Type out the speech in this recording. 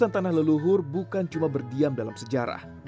tanah raja minyak adalah